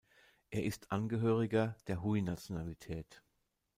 Er ist Angehöriger der Hui-Nationalität.